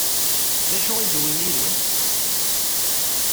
D acu i d-tewwim yid-wen?